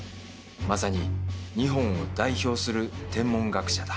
まさに日本を代表する天文学者だ。